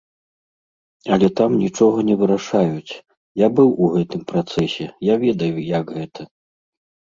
Але там нічога не вырашаюць, я быў у гэтым працэсе, я ведаю, як гэта.